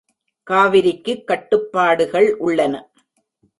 காவிரிக்குக் கட்டுப்பாடுகள் உள்ளன.